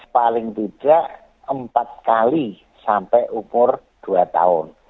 paling tidak empat kali sampai umur dua tahun